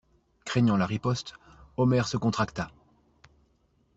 Craignant la riposte, Omer se contracta.